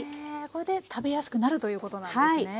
これで食べやすくなるということなんですね。